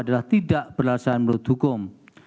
adalah tidak berasa menurut hukum